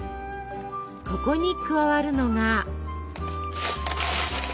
ここに加わるのが。